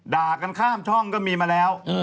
ด่ากันข้ามช่องก็มีมาแล้ว